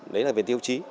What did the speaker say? đấy là về tiêu chí